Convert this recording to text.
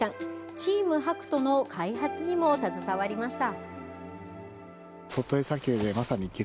チームＨＡＫＵＴＯの開発にも携わりました。